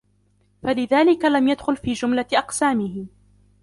فَلِذَلِكَ لَمْ يَدْخُلْ فِي جُمْلَةِ أَقْسَامِهِ